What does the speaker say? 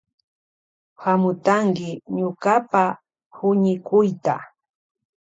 Hamutanki ñukapa huñikuyta.